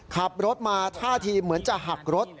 ขับรถมาท่าทีเหมือนจะหักรถ